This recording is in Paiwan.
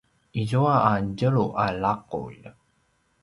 izua a tjelu a laqulj